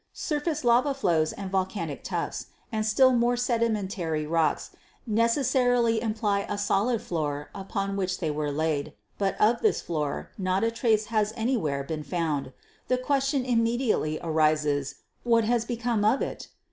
Surface lava flows and volcanic tuffs, and still more sedimentary rocks, necessarily imply a solid floor upon which they were laid down, but of this floor not a trace has anywhere been found. The question immediately arises, What has become of it?